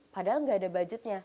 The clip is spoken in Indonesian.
padahal nggak ada budgetnya